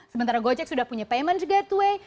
sementara gojek sudah punya payment gateway